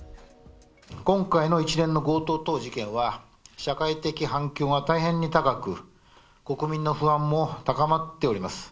今回の一連の強盗等事件は、社会的反響が大変に高く、国民の不安も高まっております。